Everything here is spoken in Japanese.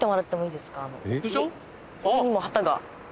あそこにも旗が。